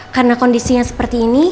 karena kondisinya seperti ini